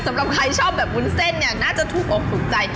สำหรับใครชอบแบบวุ้นเส้นเนี่ยน่าจะถูกอกถูกใจ